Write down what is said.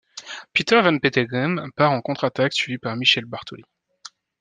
Peter Van Petegem part en contre-attaque, suivi par Michele Bartoli.